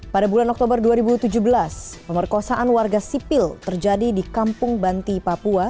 pada bulan oktober dua ribu tujuh belas pemerkosaan warga sipil terjadi di kampung banti papua